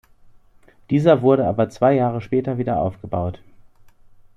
Dieser wurde aber zwei Jahre später wieder aufgebaut.